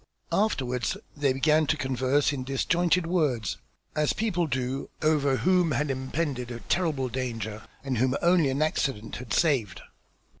Afterwards they began to converse in disjointed words, as people do over whom had impended a terrible danger and whom only an accident had saved.